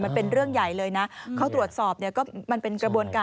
แต่ก็ต้องมอง๒มุมนะ